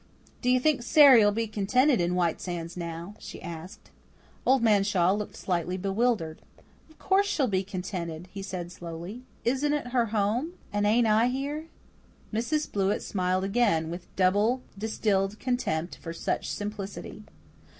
"Do you think Sary'll be contented in White Sands now?" she asked. Old Man Shaw looked slightly bewildered. "Of course she'll be contented," he said slowly. "Isn't it her home? And ain't I here?" Mrs. Blewett smiled again, with double distilled contempt for such simplicity.